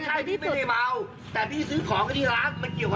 ใช่ไหมครับ